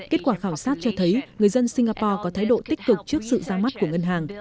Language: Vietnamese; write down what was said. kết quả khảo sát cho thấy người dân singapore có thái độ tích cực trước sự ra mắt của ngân hàng